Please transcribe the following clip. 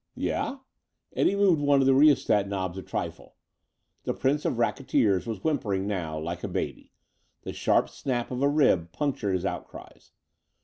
"Yeah?" Eddie moved one of the rheostat knobs a trifle. The prince of racketeers was whimpering now, like a baby. The sharp snap of a rib punctured his outcries.